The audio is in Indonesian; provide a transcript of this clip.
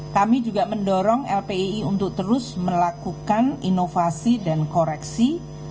kami juga mendorong lpi untuk terus melakukan inovasi dan koreksi